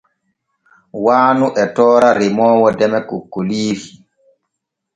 Waanu e toora remoowo deme kokkoliiri.